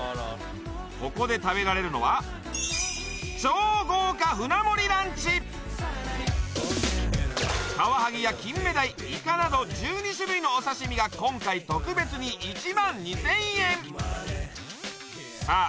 ここで食べられるのは超カワハギやキンメダイイカなど１２種類のお刺身が今回特別に１万２０００円さあ